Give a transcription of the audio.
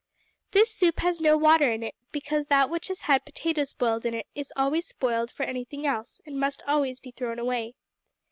This soup has no water in it, because that which has had potatoes boiled in it is always spoiled for anything else and must always be thrown away.